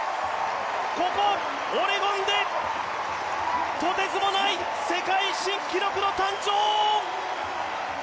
ここオレゴンで、とてつもない世界新記録の誕生！